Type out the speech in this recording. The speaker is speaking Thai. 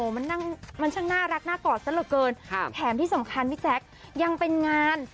มันช่างน่ารักน่ากอดซะเหลือเกินแถมที่สำคัญพี่แจ๊คยังเป็นงาน